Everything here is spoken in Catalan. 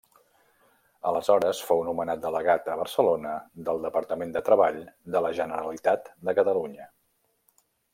Aleshores fou nomenat delegat a Barcelona del Departament de Treball de la Generalitat de Catalunya.